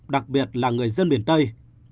đặc biệt là người dân miền tây